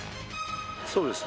そうですね